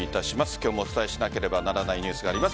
今日もお伝えしなければならないニュースがあります。